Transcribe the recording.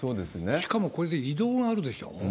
しかもこれで移動があるでしょう。